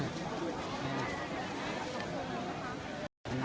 ถูกกันค่ะ